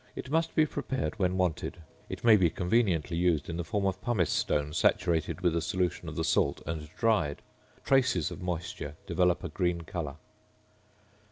It must be prepared when wanted. It may be conveniently used in the form of pumice stone, saturated with a solution of the salt and dried. Traces of moisture develop a green colour.